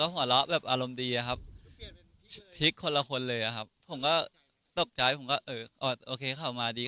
ก็หวัดร้อแบบอารมณ์ดีครับคลิกคนละคนเลยครับผมก็ตกใจผมก็โอเคเขาก็มาดี